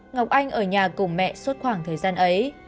ngọc anh ở nhà cùng mẹ suốt khoảng thời gian ấy